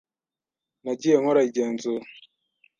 Nagiye nkora igenzura.